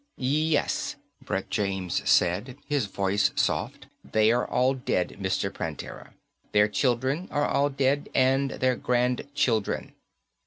"Yes," Brett James said, his voice soft. "They are all dead, Mr. Prantera. Their children are all dead, and their grandchildren."